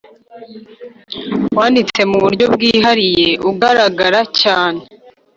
wanditse mu buryo bwihariye (ugaragara cyane).